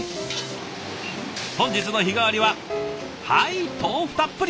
本日の日替わりははい豆腐たっぷり。